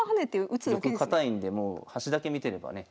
玉堅いんでもう端だけ見てればね